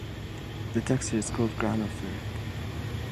The texture is called granophyric.